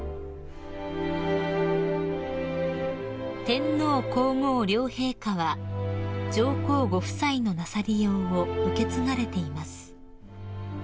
［天皇皇后両陛下は上皇ご夫妻のなさりようを受け継がれています］